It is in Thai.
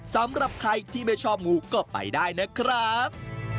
สำหรับใครที่ไม่ชอบงูก็ไปได้นะครับ